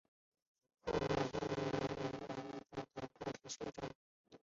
此科蜊类会将壳内孵化的幼体排至周围水中。